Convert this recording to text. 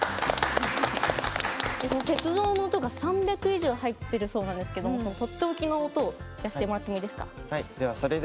鉄道の音が３００以上入っているそうなんですけどとっておきの音を聞かせてもらっていいですか。